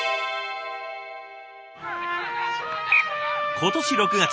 今年６月。